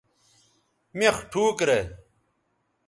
مِخ ٹھوک رے